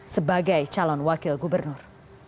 sebagai calon wakil gubernur